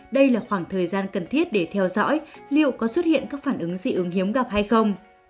đây là khoảng thời gian cần thiết để theo dõi liệu có xuất hiện các phản ứng dị ứng hiếm gặp hay không